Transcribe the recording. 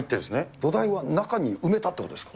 土台は中に埋めたということですか。